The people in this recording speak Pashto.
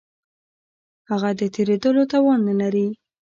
هغه د تېرېدلو توان نه لري.